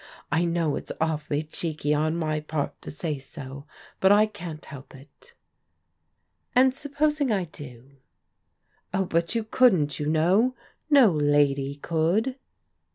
I know it's awfully cheeky on my part to say so, but I can't help it." " And supposing I do ?"" Oh, but you couldn't, you know. No lady could."